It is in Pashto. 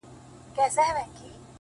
چي محبت يې زړه كي ځاى پـيـدا كـړو’